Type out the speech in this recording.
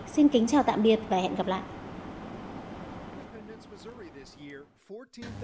xin kính chào tạm biệt và hẹn gặp lại